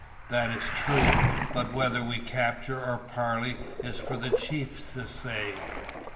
"That is true, but whether we capture or parley is for the chiefs to say.